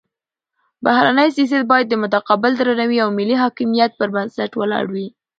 بهرنی سیاست باید د متقابل درناوي او ملي حاکمیت پر بنسټ ولاړ وي.